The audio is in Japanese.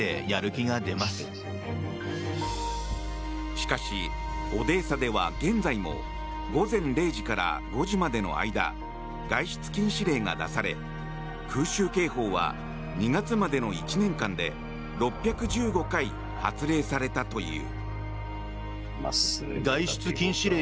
しかし、オデーサでは現在も午前０時から５時までの間外出禁止令が出され空襲警報は、２月までの１年間で６１５回発令されたという。